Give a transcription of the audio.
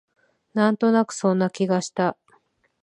なんとなくそんな気がした